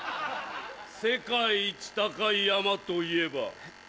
世界一高い山といえば？